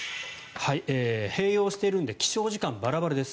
併用しているので起床時間がバラバラです。